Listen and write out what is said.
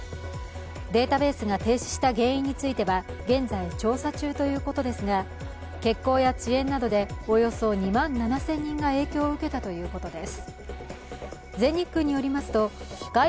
データベースが停止した原因については現在調査中ということですが欠航や遅延などでおよそ２万７０００人が影響を受けたということです。